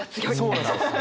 そうなんですよ。